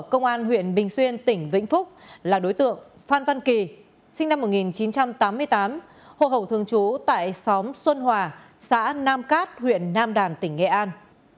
công an huyện bình xuyên tỉnh vĩnh phúc là đối tượng phan văn kỳ sinh năm một nghìn chín trăm tám mươi tám hồ hậu thường trú tại xóm xuân hòa xã nam cát huyện nam đàn tỉnh nghệ an